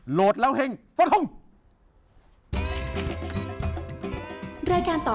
โหลดแล้วเฮ่งสวัสดีครับ